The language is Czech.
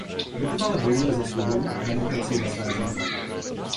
Vytrvale bojuje za svobodu a demokracii ve své zemi.